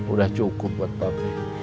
udah cukup buat papi